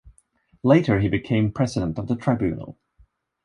Later, he became president of the tribunal.